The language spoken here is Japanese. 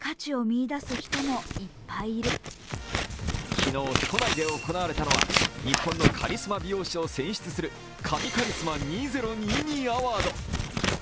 昨日、都内で行われたのは日本のカリスマ美容師を選出するカミカリスマ２０２２アワード。